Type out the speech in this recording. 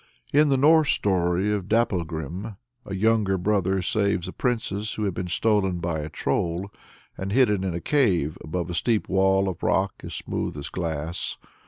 " In the Norse story of "Dapplegrim," a younger brother saves a princess who had been stolen by a Troll, and hidden in a cave above a steep wall of rock as smooth as glass.